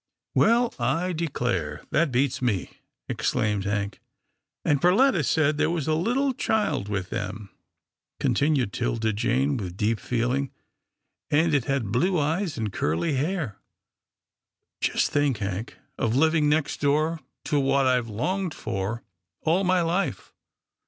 " Well I declare, that beats me," exclaimed Hank. " And Perletta said there was a little child with them," continued 'Tilda Jane with deep feeling, " and it had blue eyes and curly hair. Just think. Hank, of living next door to what I've longed for all my life."